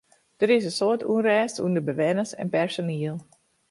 Der is in soad ûnrêst ûnder bewenners en personiel.